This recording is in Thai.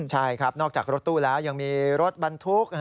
ใช่ครับนอกจากรถตู้แล้วยังมีรถบรรทุก